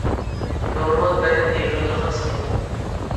نورمال بەدەن ئېغىرلىقىنى ساقلاڭ.